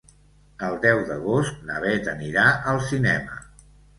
El deu d'agost na Bet anirà al cinema.